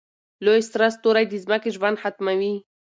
لوی سره ستوری د ځمکې ژوند ختموي.